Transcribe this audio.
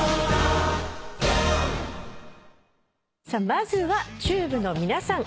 まずはＴＵＢＥの皆さん